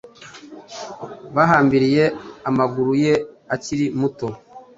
Bahambiriye amaguru ye akiri muto